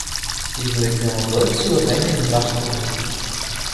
Ils ont été en vogue sous le règne de Marc Aurèle.